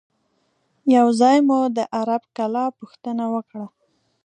یو ځای مو د عرب کلا پوښتنه وکړه.